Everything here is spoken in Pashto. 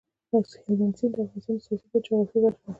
هلمند سیند د افغانستان د سیاسي جغرافیه برخه ده.